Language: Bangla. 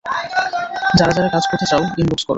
যারা যারা কাজ করতে চাও, ইনবক্স করো।